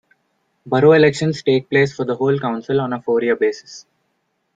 Borough elections take place for the whole council on a four-year basis.